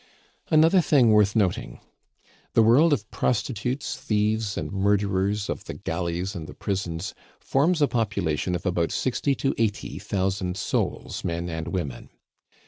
Another thing worth noting: the world of prostitutes, thieves, and murders of the galleys and the prisons forms a population of about sixty to eighty thousand souls, men and women.